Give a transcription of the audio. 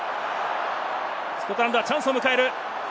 スコットランドはチャンスを迎える。